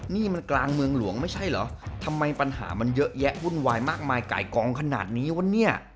นี่มันกลางเมืองหลวงไม่ใช่เหรอทำไมปัญหามันเยอะแยะวุ่นวายมากมายไก่กองขนาดนี้วะเนี่ย